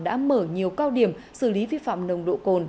đã mở nhiều cao điểm xử lý vi phạm nồng độ cồn